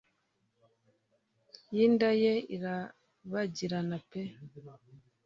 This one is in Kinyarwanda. y'inda ye irabagirana pe